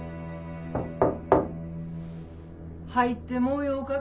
・入ってもよかか。